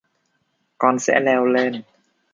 Con sẽ leo lên